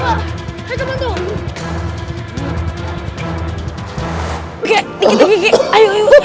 kak teman teman tolong